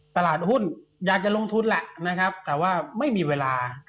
ตลาดหุ้นอยากจะลงทุนแหละนะครับแต่ว่าไม่มีเวลา